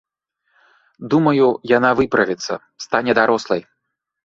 Думаю, яна выправіцца, стане дарослай.